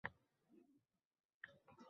Yulga chiqsam “Mayli uglim Uzing asra” der ediz